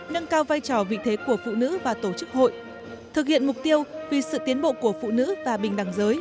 nâng cao vai trò vị thế của phụ nữ và tổ chức hội thực hiện mục tiêu vì sự tiến bộ của phụ nữ và bình đẳng giới